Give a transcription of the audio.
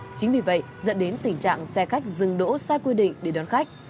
chính vì vậy dẫn đến tình trạng xe khách dừng đỗ sai quy định để đón khách